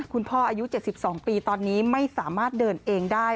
คุณพ่ออายุ๗๒ปีตอนนี้ไม่สามารถเดินเองได้